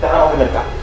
tak ramah mengerikan